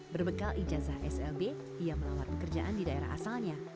berbekal ijazah slb ia melawan pekerjaan di daerah asalnya